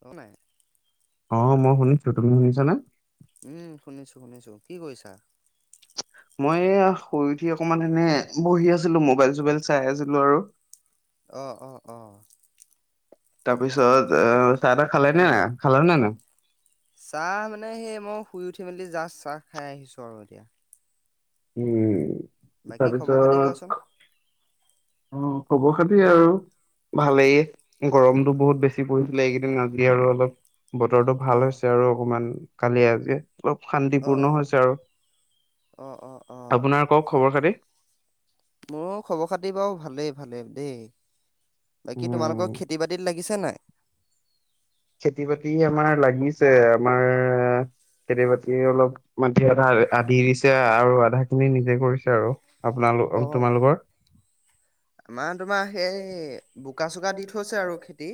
তনাই। অ মই শুনিছো তুমি শুনিছানে! উম শুনিছো শুনিছো কি কৰিছা? মই শুই উঠি অকমান এনে বহি আছিলো মোবাইল চোবাইল চাই আছিলো আৰু অঁ অঁ অঁ তাৰপিছত অ চাহ তাহ খালে নে উম খালা নে নাই? চাহ মানে সেই মই শুই উঠি মেলি জাচ চাহ খাই আহিছো আৰু এতিয়া। উম। বাকী খবৰ খাতি কোৱাচোন। উম খবৰ খাতি আৰু ভালেই গৰমতো বহুত বেছি পৰিছিলে এইকেইদিন আজি আৰু অলপ। বতৰটো অ ভাল হৈছে আৰু অকমান কালি আজিয়ে। পোৰা অ শান্তিপূৰ্ণ হৈছে আৰু, অ অ অ আপোনাৰ কওক খবৰ খাতি! মোৰো খবৰ খাতি বাৰু ভালেই ভালেই দেই। বাকী তোমালোকৰ উম খেতি বাতিত লাগিছে নাই? খেতি বাতি আমাৰ লাগিছে আমাৰ খেতি-বাতি অলপ মাটি আধা আধি দিছে আৰু আধা খিনি নিজে কৰিছে আৰু। আপোনালোক অ তোমালোকৰ! আমাৰ তোমাৰ সেই বোকা চোকা দি থৈছে আৰু খেতি।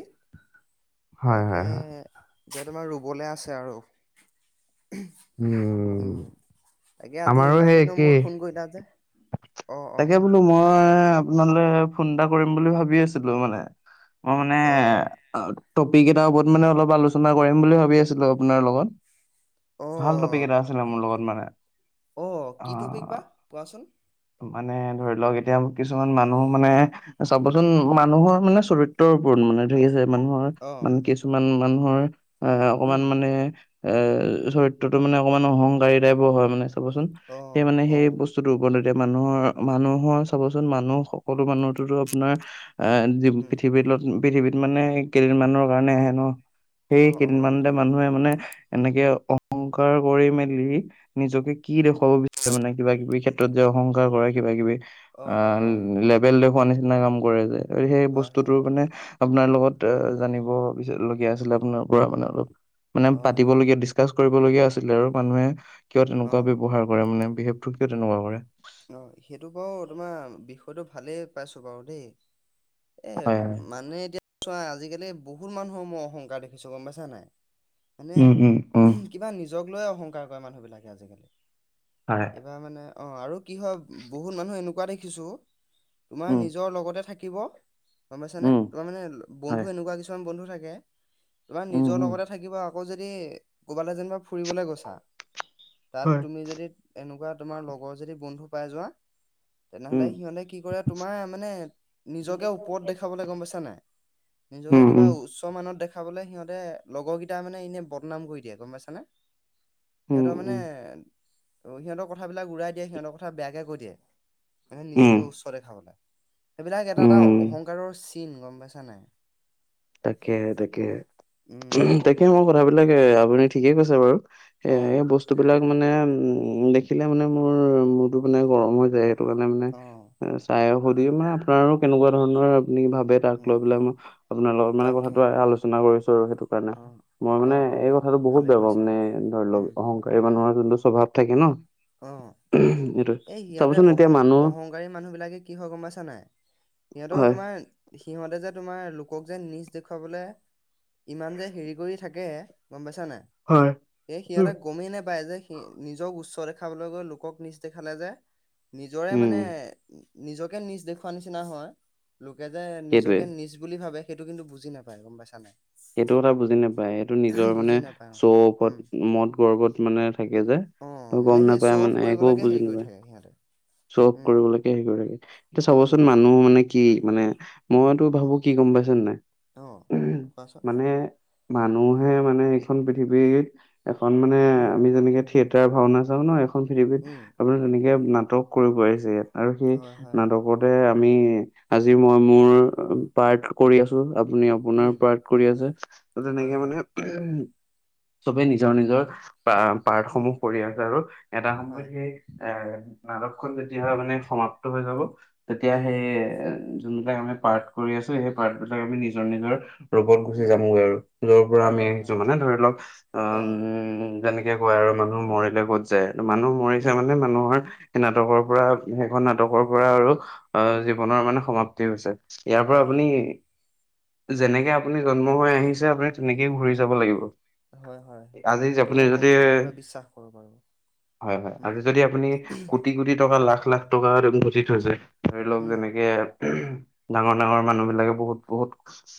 হয় তাকে হয় হয় এতিয়া তোমাৰ ৰুবলৈ আছে আৰু। উম তাকে আজি আমাৰো সেই ইমান দিনৰ একেই মূৰত ফোন কৰিলা যে? অ অ তাকে বোলো মই আপোনালৈ ফোন এটা কৰিম বুলি ভাবি আছিলো মানে। মই মানে অ টপিক এটাৰ ওপৰত মানে অলপ আলোচনা কৰিম বুলি ভাবি আছিলো আপোনাৰ লগত। অ ভাল টফিক অ এটা আছিলে মোৰ লগত মানে, অ কি টপিক বা কোৱাচোন। মানে ধৰি লওক এতিয়া কিছুমান মানুহ মানে চাবচোন উম মানুহৰ মানে চৰিত্ৰ গুৰুত্বপূৰ্ণ মানে ধৰি আছে মানুহৰ অ মানে কিছুমান মানুহৰ আহ অকমান উম মানে এ চৰিত্ৰতো মানে অকমান অহংকাৰী টাইপৰ হয় মানে চাবচোন অ সেই মানে অ সেই বসু বৰনৈতে, মানুহৰ মানুহৰ চাবচোন মানুহ সকলো মানুহোতো আপোনাৰ এ উম পৃথিৱীত পৃথিৱীত মানে কেইদিনমানৰ কাৰণে হেনো সেই অ অ কেইদিনমানতে মানুহে মানে এনেকে অহংকাৰ কৰি মেলি নিজকে কি দেখুৱাব বিচাৰে মানে, কিবা কিবি ক্ষেত্ৰত যে অহংকাৰ কৰে কিবা কিবি অ অ অ অ আঁ বেল দেখুওৱা নিচিনা কাম কৰে যে, সেই হয় বস্তুতটো হয় হয় মানে আপোনাৰ লগত জানিব বিচ লগীয়া আছিলে আপোনাৰ পৰা মানে অলপ মানে অ পাতিবলগীয়া। কাজ কৰিবলগীয়া আছিলে আৰু মানুহে কিয় অ তেনেকুৱা ব্যৱহাৰ কৰে মানে বিহেভ টো কিয় তেনেকুৱা কৰে? অঁ সেইটো বাৰু তোমাৰ বিষয়টো ভালেই পাইছো বাৰু দেই। এ হয় হয় মানে চোৱা আজিকালি বহুত মানুহৰ মই অহংকাৰ দেখিছো গম পাইছা নাই, উম উম উম মানে কিবা নিজক লৈয়ে অহংকাৰ কৰে মানুহবিলাকে আজিকালি। হয়। তাৰমানে অঁ আৰু কি হয় বহুত মানুহ এনেকুৱা দেখিছোঁ। তোমাৰ উম নিজৰ লগতে থাকিব। গম পাইছ নে উম তোমাৰ মানে বন্ধু হয় এনেকুৱা কিছুমান বন্ধু থাকে, তোমাৰ উম নিজৰ উম লগতে থাকিব আৰু আকৌ যদি কবালৈ যেনিবা ফুৰিবলে গৈছা, তাত হয় তুমি যদি এনেকুৱা তোমাৰ লগৰ যদি বন্ধু পাই যোৱা। উম তেনেহলে সিহঁতে কি কৰে, তোমাৰ মানে নিজকে ওপৰত দেখাবলৈ গম পাইছা নাই। নিজকে উম কিবা উম উচ্চ মানত দেখা। খাবলৈ সিহঁতে লগৰ কেইটটা মানে এনে বদনাম কৰি দিয়ে গম পাইছানে। উম সিহঁতৰ মানে উম সিহঁতৰ কথাবিলাক উৰাই দিয়ে, সিহঁতৰ কথা বেয়াকে কৈ দিয়ে। তেহাতি উম নিজকে উচ্চ দেখাবল সেইবিলাক এটা এটা উম অহংকাৰৰ চিন গম পাইছা নাই।। তাকে তাকে উম তাকে মোৰ তো- কথাবিলাক আপুনি ঠিকে কৈছে বাৰু। সে অ সেই বস্তু বিলাক মানে উ দেখিলে মানে মোৰ মূৰটো মানে গৰম হৈ যায়। সেইটো কাৰণে মানে অ চাই সুধি মানে কাৰ কেনেকুৱা ধৰণৰ আপুনি ভাবে। তাক উম লৈ পেলাই মই আপোনাৰ লগত মানে তাকে কথাটো আলোচনা কৰিছো আৰু সেইটো। অ', মই মানে অ', অ', এই কথাটো বহুত ভালে বেয়া পাম কৰিছা মানে বাৰু ধৰি ল উম, অহং কাৰি মানুহৰ যোনটো স্বভাৱ থাকে ন। অঁ, এইটো এই সিহঁতে চাবচোন এতিয়া অহং মানুহ অহংকাৰী মানুহবিলাকে কি হয় গম পাইছা নাই সিহঁতৰ হয় তোমাৰ সিহঁতে যে তোমাৰ লোকক যে নিজ দেখুৱাবলে ইমান যে হেৰি কৰি থাকে, গম পাইছা নাই। হয় সেই সিহঁতে গমেই নোপায় যে স নিজক উচ্চ দে দেখাবলৈ গৈ লোকক নিজ দেখালে যে, নিজৰে উম মানে নিজকে নিজ দেখুওৱা নিচিনা হয়, লোকে যে সেইটোৱে। নিজকে নিজ বুলি ভাবে। সেইটো কিন্তু বুজি নাপায় গম পাইছ নাই। সেইটো কথা বুজি নাপায়, সেইটো নিজৰ বুজি মানে নাপায় অ'। উম, চৌফত মদ গৰ্বত মানে থাকে যে। অ', মানে গম সেই নাপায় শ্ব' অফ মানে একো কৰিবলৈকে হেৰি বুজি কৰি নাপায়। থাকে সিহঁতে। চ অফ উম, কৰিবলৈকে হেৰি কৰি থাকে, এতিয়া উম, চাবচোন মানুহ মানে কি মানে মইতো উম, ভাবো কি গম পাইছে নাই? অ', কোৱাচোন? মানে মানুহে মানে এইখন পৃথিৱীত এখন মানে উম, আমি যেনেকে থিয়েটাৰ ভাওনা চাওঁ ন এখন পৃথিৱীত উম, আপোনাৰ তেনেকে নাটক কৰিব পাৰিছে ইয়াত। আৰু সেই হয়, হয়, নাটকত। আমি আজি মই মোৰ পাৰ্ট কৰি আছো, আপুনি আপোনাৰ উম, পাৰ্ট কৰি হয়, তেনেকে মানে হয়, চবে নিজৰ নিজৰ বা উম, পাৰ্টসমূহ কৰি আছে, আৰু এটা সময়ত হয়, সেই এই, নাটকখন যেতিয়া হয় মানে সমাপ্ত হৈ যাব', তেতিয়া উম, সেই যোনবিলাক আমি পাৰ্ট কৰি আছোঁ, সেই পাৰ্টবিলাক আমি নিজৰ - নিজৰ', য'ত - ত'ত গুচি উম, যামগৈ আৰু য'ৰ পৰা আমি হয়, আহিছোঁ হয়, মানে ধৰি লওঁক, অঅঅ', - অ', উমমম', যেনে', তাকে কয় আৰু মানুহ মৰিলে ক'ত যায় আৰু মানুহ মৰিছে উম, মানে মানুহৰ', সেই নাটকৰ পৰা উম', সেইখন নাটকৰ পৰা আৰু অ', উম, জীৱনৰ মানে সমাপ্তি হৈছে', ইয়াৰ পৰা হয়, আপুনি, হয়, হয়, যেনেকে আপুনি জন্ম হৈ আহিছে আপুনি', তেনেকেই ঘুৰি হয়, যাব লাগিব, হয়, হয়, আজি সেইটো আপুনি মই যদি', সম্পূৰ্ণৰূপে বিশ্বাস কৰোঁ বাৰু। হয়', - হয়', উম, আৰু যদি আপুনি, কোটি', কোটি টকা লাখ - লাখ টকা যদি ঘটি থৈছে, ধৰি লওঁক উম, যেনেকে', উম', ডাঙৰ - ডাঙৰ মানুহ বিলাকে বহুত-বহুত,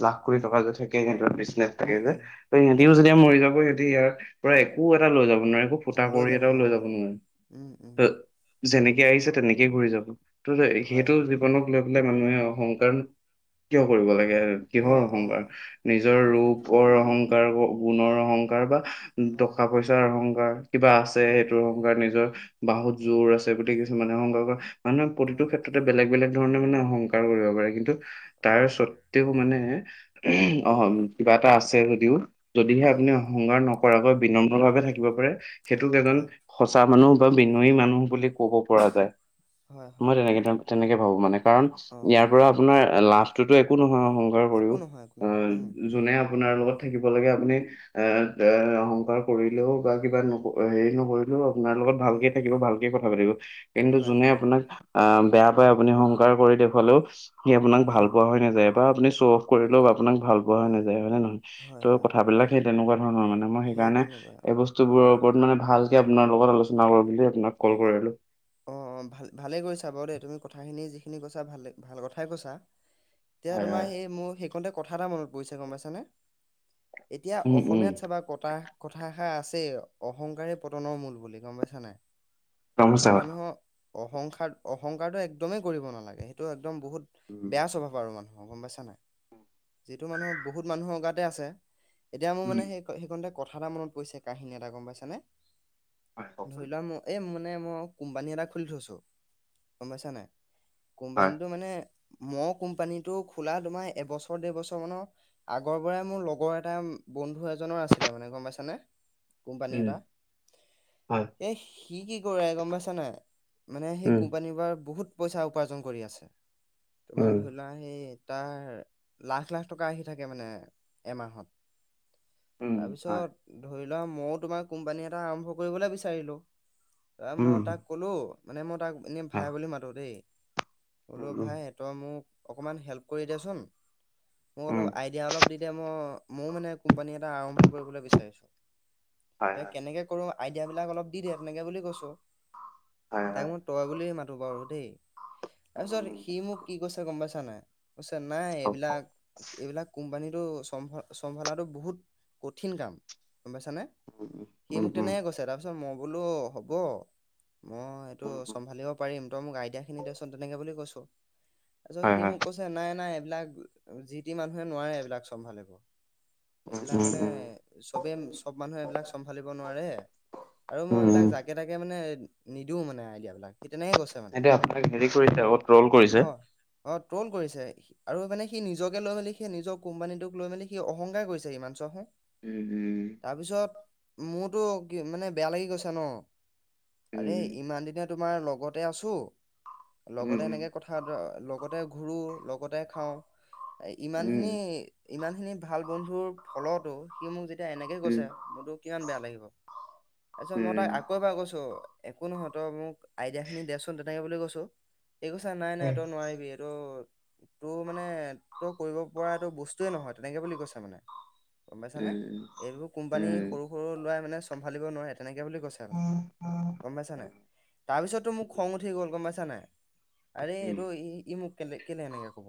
লাখ কোটি টকা যে থাকে যে সিহঁতৰ পিছ', নেট তাকে উম, যে, উম, ত সিহঁতিও যেতিয়া অ', মৰি যাব সিহঁতি ইয়াৰ, পৰা একো এটা লৈ যাব নোৱাৰে একো', ফুটা - কৰি এটাও লৈ যাব নোৱাৰে, উম', যেনেকে আহিছে তেনেকেই ঘূৰি যাব, ত' যে হয়, সেইটো হয়, জীৱনক', বোলে - বোলে মানুহে অহংকাৰ নো কিয় কৰিব লাগে আৰু অ', কিহৰ অহং', অ', নিজৰ ৰূপৰ অহংকাৰ, ক' গুণৰ অহংকাৰ বা হয়, টকা - পইচা', পইচাৰ অহংকাৰ কিবা আছে উম, সেইটোৰ অহংকাৰ নিজৰ বাহুত উম, জোৰ আছে গোটেই কিছুমানৰ অহংকাৰ কৰে', মানুহে প্ৰতিটো হয়, ক্ষেত্ৰতে বেলেগ - বেলেগ ধৰণে মানে অহংকাৰ কৰিব পাৰে কিন্তু, তাৰ হয়, হয়। শৰ্তে', ও মানে, উম', - অহং', -হুম', কিবা এটা আছে যদিও, যদিহে উম, আপুনি অহংক', অহংকাৰ নকৰাকৈ বিনম্ৰ ভাৱে থাকিব পাৰে, সেইটোক এজন', হয়, সঁচা মানুহ বা বিনয়ি মানুহ বুলি ক'ব পৰা যায়, হয়, মই হয়, তেনেকে টাইপ তেনেকে ভাবোঁ মানে', কাৰণ, অ'। ইয়াৰ পৰা আপোনাৰ লাভটোত একো নহয় অ', একো কৰিও। নহয় - একো নহয়, উম', যোনে আপোনাৰ লগত থাকিব লাগে, আপুনি', এ', - এ', অহংকাৰ কৰিলেও বা কিবা নকয় এ', হেৰি নহয় বোলোঁ আপোনাৰ লগত', উম ভালকে থাকিব, ভালকে কথা পাতিব, কিন্তু হয় যোনে হয় আপোনাক ভাল', আহ', বেয়া পাই আপুনি অহংকাৰ কৰি দেখুৱালেও, সি আপোনাক ভাল উম পোৱা হৈ নাযায় বা আপুনি শ্বো অফ্ ক', কৰিলেও আপোনাক ভাল পোৱা নাযায়, হয় নে নহয়, হয় ত' হয় কথ বিলাক সেই তেনেকুৱা ধৰণৰ মানে', মই সেই কাৰণে, তেনেকুৱাই অ এই বস্তুবোৰৰ উম ওপৰত মানে ভালকে আপোনাৰ লগত আলোচনা কৰোঁ বুলি আপোনাক কল কৰিলোঁ', অ', - অ', ভাল - ভালেই কৰিছা বাৰু দেই তুমি কথাখিনি যিখিনি কৈছা ভালে - ভাল কথাই কৈছা', এতিয়া হয় তোমাৰ হয় সেই মোৰ সেইখনতে কথা এটা মনত পৰিছে গম পাইছানে? এতিয়া উম উম। অসমীয়াত চাবা কথা', কথা এষাৰ আছে, অহংকাৰে পতনৰ মূল বুলি, গম পাইছা নাই', এ মানুহৰ অহংকাৰ - অহংকাৰটো একদমেই কৰিব নালাগে, সেইটো একদম বহুত', বেয়া স্বভাৱ আৰু মানুহৰ গম পাইছা নাই, যিটো মানুহৰ বহুত মানুহৰ গাতে আছে', এতিয়া মোৰ মানে সেইখ - সেইখনতে কথা এটা মনত পৰিছে কাহিনী এটা গম পাইছানে, ধৰি লোৱা মোৰ', মোৰ মানে মই কোম্পানী এটা খুলি থৈছোঁ, গম পাইছা নে, কোম্পানীটো মানে', মই কোম্পানীটো খোলা তোমাৰ এবছৰ - ডেৰ বছৰ মানৰ', আগৰ পৰাই মোৰ লগৰ এটা বন্ধু এজনৰ আছিলে মানে গম পাইছা নে', কোম্পানী এটা, এ সি কি কৰে গম পাইছা নাই? মানে সেই কোম্পানীৰ পৰা বহুত পইচা উপাৰ্জন কৰি আছে', তোমাৰ ধৰি লোৱা, সেই তাৰ', লাখ - লাখ টকা আহি থাকে মানে, এমাহত, তাৰপিছত', ধৰি লোৱা ময়ো তোমাৰ কোম্পানী এটা আৰম্ভ কৰিবলৈ বিচাৰিলোঁ', ত মই তাক ক'লো, মানে মই তাক এনেই ভাই বুলি মাতো দেই, ক'লো ভাই সিহঁতৰ', মোক, অকমান হেল্প কৰি দিয়াচোন, মোৰ অলপ আইডিয়া', এতিয়া অলপ দি দিয়া মই ময়ো মানে কোম্পানী এটা আৰম্ভ কৰিবলৈ বিচাৰিছো কেনেকে কৰোঁ আইডিয়া বিলাক অলপ দি দে তেনেকে বুলি কৈছো তাক মই তই বুলিয়ে মাতো বাৰু দেই তাৰপিছত সি মোক কি কৈছে গম পাইছা নাই নাই এইবিলাক এইবিলাক কোম্পানীটো চম্ভ চম্ভালাটো বহুত কঠিন কাম গম পাইছানে সি মোক তেনেকে কৈছে তাৰপিছত মই ব'লো অ হ'ব মই এইটো চম্ভালিব পাৰিম তই মোক আইডিয়াখিনি দিয়াচোন তেনেকে বুলি কৈছো পিছত সি মোক কৈছে নাই নাই এইবিলাক যি তি মানুহে নোৱাৰে এইবিলাক চম্ভালিব এইবিলাক মানে চবেই চব মানুহে এইবিলাক চম্ভালিব নোৱাৰে আৰু মই এইবিলাক জাকে তাকে মানে নিদিও মানে আইডিয়া বিলাক এতিয়া আপোনাক হেৰি কৰিছে ট্ৰল কৰিছে অঁ ট্ৰল কৰিছে আৰু মানে সি নিজকে লৈ মেলি সি নিজৰ কোম্পানীটোক লৈ মেলি সি অহংকাৰ কৰিছে সিমান চোৱা চোন উম উম তাৰপিছত মোৰতো কি মানে বেয়া লাগি গৈছে ন আৰে উম। ইমান দিনে তোমাৰ লগতে আছো লগতে উম। এনেকে কথাৰ তে লগতে ঘূৰোঁ লগতে খাওঁ ইমান উম। উম। খিনি ইমান খিনি ভাল বন্ধুৰ ফলতো কি মোক যেতিয়া এনেকে উম। কৈছে মোৰতো কিমান বেয়া লাগিব তাৰিছত মই উম। তাক আকৌ এবাৰ কৈছোঁ একো নহয় তই মোক আইডিয়া খিনি দেচোন তেনেকে বুলি কৈছোঁ সি কৈছে নাই নাই তই নোৱাৰিবি এইটো তোৰ মানে তোৰ কৰিব পৰা এইটো বস্তুয়ে নহয় তেনেকে বুলি কৈছে মানে গম পাইছানে এইবোৰ কোম্পানী উম। উম। সৰু সৰু লোৱাই মানে চম্ভালিব নোৱাৰে তেনেকে বুলি কৈছে আৰু উম। উম। উম। গম পাইছা নাই তাৰপিছতো মোক খং উঠি গ'ল গম পাইছা নাই আৰে এটো ই মোক কেলে কেলে এনেকে কব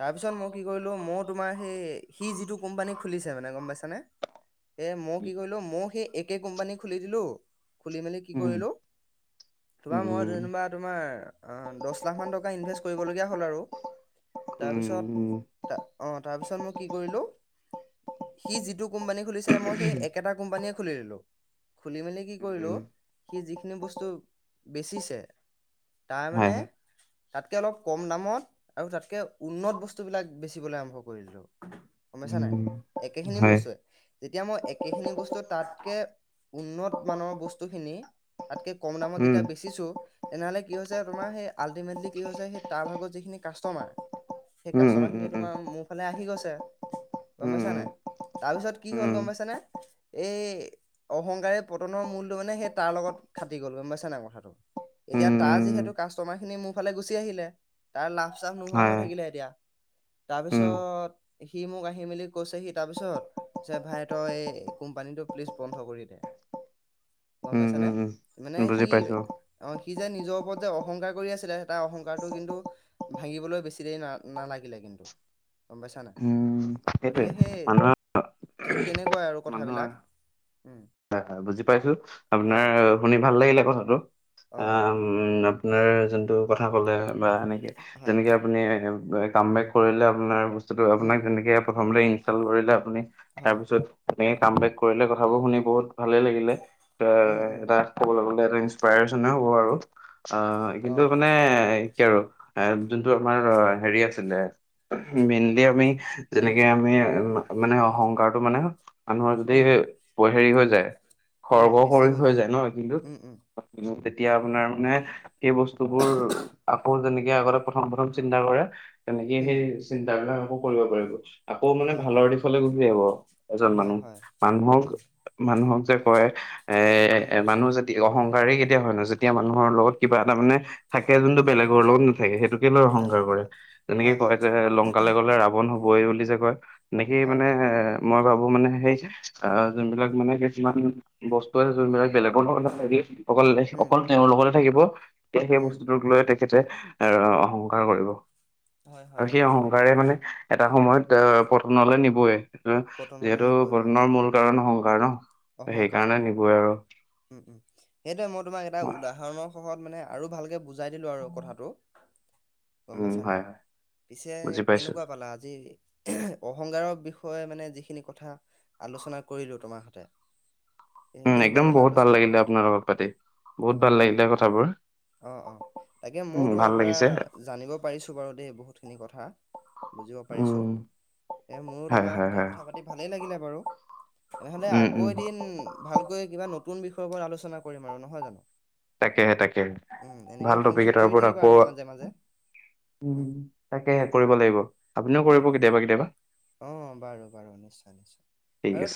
তাৰপিছত মই কি কৰিলোঁ মই তোমাৰ সেই সি যিটো কোম্পানী খুলিছে মানে গম পাইছানে এ মই কি কৰিলোঁ মই সেই একে কোম্পানীক [unintelligible] খুলি মেলি কি কৰিলোঁ তোমাক উম। মই উম। ধন্যবাদ তোমাৰ দছ লাখ মান টকা ইনভেষ্ট কৰিবলগীয়া হ'ল আৰু উম। তাৰপিছত অ তাৰপিছত মই কি কৰিলো সি যিটো কোম্পানী খুলিছিল মই সেই একেটা কোম্পানীয়ে খুলি দিলো খুলি মেলি কি কৰিলো উম। সি যিখিনি বস্তু বেচিছে তাৰ হয় মানে হয়। তাতকে অলপ কম দামত আৰু তাতকে উন্নত বস্তুবিলাক বেচিবলৈ আৰম্ভ কৰিলোঁ গম পাইছা নাই উম, একেখিনি হয়। বস্তুৱে যেতিয়া মই একে খিনি বস্তু তাতকে উন্নত মানৰ বস্তুখিনি তাতকে কম দামত উম, যেতিয়া বেচিছোঁ তেনেহলে কি হৈছে তোমাৰ সেই আল্টিমেটলি কি হৈছে সেই তাৰ ভাগত যিখিনি কাষ্টমাৰ সেই উম, উম, কাষ্টমাৰ খিনি উম, তোমাৰ মোৰ ফালে আহি গৈছে গম উম, পাইছানাই তাৰপিছত উম, উম, কি হ'ল উম, গম পাইছানে এই অহংকাৰে পতনৰ মূলটো মানে সেই তাৰ লগত খাটি গ'ল গম পাইছা না কথাটো এতিয়া উম, তাৰ উম, যিহেতু কাষ্টমাৰ খিনি মোৰ ফালে গুচি আহিলে তাৰ লাভ চাফ নোহোৱা হয়, হৈ থাকিলে এতিয়া উম, তাৰপিছত সি মোক আহি মেলি কৈছে সি তাৰপিছত ভাই তই এই কোম্পানীটো প্লিজ বন্ধ কৰি দে গম উম, পাইছানে, উম, মানে উম। বুজি সি পাইছো, - অ, সি যে নিজৰ ওপৰত যে অহংকাৰ কৰি আছিলে তাৰ অহংকাৰটো কিন্তু - ভাঙিবলৈ বেছি দেৰি না নালাগিলে কিন্তু গম পাইছা নাই। উম, সেইটোৱে গতিকে সেই, মানুহৰ ঠিক তেনেকুৱাই আৰু মানুহৰ কথাবিলাক। ওম বুজি পাইছো আপোনাৰ শুনি ভাল লাগিলে কথাটো, এই অ', - উম আপোনাৰ যোনটো কথা কলে বা এনেকে হয়, যেনেকে হয়, আপুনি কাম বেক - কৰিলে আপোনাৰ বস্তুটো উম, আপোনাক যেনেকে প্ৰথমতে ইনষ্টল কৰিলে আপুনি হয়, তাৰপিছত - তেনে কাম বেক কৰিলে কথাবোৰ শুনি বহুত ভালে লাগিলে এ উম, উম, এটা - ক'বলে গলে এটা ইনসপাইৰেচনে হ'ব আৰু অ কিন্তু অ', মানে - কি আৰু, এ যোনটো আমাৰ হেৰি আছিলে মেইনলি আমি - উম, যেনেকে আমি মানে অহংকাৰটো মানে মানুহৰ যদি উম, প হেৰি হৈ যায় - খৰ্ব কৰি হৈ যায় ন, কিন্তু উম, উম, - তেতিয়া আপোনাৰ মানে সেই বস্তুবোৰ আকৌ যেনেকে আগতে প্ৰথম প্ৰথম - চিন্তা কৰে, তেনেকে উম, সেই চিন্তা বিলাক আকৌ কৰিব পাৰিব। আকৌ মানে হয়, ভালৰ হয়, দিশলৈ গুচি আহিব এজন হয়, মানুহ হয়, মানুহক উম, মানুহক - যে কয় উম, এ মানুহ যে তিয়া অহংকাৰী কেতিয়া হয় নো যেতিয়া মানুহৰ লগত কিবা এটা মানে - থাকে যোনটো উম, বেলেগৰ লগত নাথাকে সেইটোকে লৈ অহংকাৰ নাথাকে কৰে হয়, যেনেকে হয়, হয়, কয় যে লং - লংকালে গ'লে ৰাৱণ হ'বই বুলি যে কয় এনেকেই হয়, মানে হয়, - মই ভাবো মানে সেই এ যোনবিলাক মানে সেই - যিমান বস্তু আছে যোনবিলাক বেলেগৰ লগত নাথাকে অকল উম, অকল তেওঁৰ লগতে থাকিব - এতিয়া সেই উম, বস্তুটোক লৈ তেখেতে এ অহংকাৰ কৰিব। হয়, হয়, আৰু সেই হয়, অহং - কাৰে মানে এটা সময়ত আহ পতনলৈ নিবয়ে পতনলৈ যিহেতু নিবই হয়, পতনৰ মূল - কাৰণ অহংকাৰ ন অহংকাৰ, সেইকাৰণে অহংকাৰ, নিবই আৰু। উম উম। সেইটোৱে মই তোমাক এটা উদাহৰণৰ সহত মানে আৰু ভালকে বুজ - বুজাই দিলোঁ আৰু কথাটো। গম উম পাইছা হয় নাই, হয় পিছে বুজি পাইছো কেনেকুৱা পালা আজি - অহংকাৰৰ বিষয়ে মানে যিখিনি কথা আলোচনা কৰিলো তোমাৰ হতে - এ উম কেনেকুৱা একদম পালা বহুত আলোচনা? ভাল কৰি লাগিলে আপোনাৰ লগত পাতি অ বহুত ভাল অ লাগিলে কথাবোৰ। অ অ তাকে উম ময়ো ভাল তোমাৰ পৰা লাগিছে জানিব পাৰিছো বাৰু দেই বহুতখিনি কথা। বুজিব পাৰিছো উম এ মোৰো হয় তোমাৰ হয় সতে হয় কথা পাতি - ভালেই লাগিলে বাৰু, তেনেহলে উম উম আকৌ এদিন ভালকৈ কিবা নতুন - নতুন বিষয় ওপৰত আলোচনা কৰিম আৰু নহয় জানো! তাকেহে তাকে উম এনেকে ভাল ফোন টপিক চোন এটাৰ কৰি ওপৰত থাকিবা আকৌ আৰু - মাজে মাজে উম তাকেহে কৰিব লাগিব, আপুনিও উম কৰিব উম কেতিয়াবা কেতিয়াবা। অ বাৰু বাৰু নিশ্চয় নিশ্চয়। ঠিক আৰু আছে।